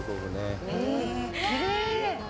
きれい！